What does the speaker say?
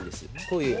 こういう。